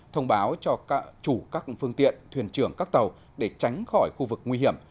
thông báo cho chủ các phương tiện thuyền trưởng các tàu để tránh khỏi khu vực nguy hiểm